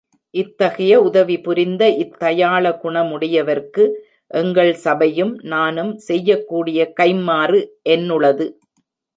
இத் தகைய உதவி புரிந்த இத்தயாள குணமுடையவர்க்கு, எங்கள் சபையும் நானும் செய்யக்கூடிய கைம்மாறு என்னுளது?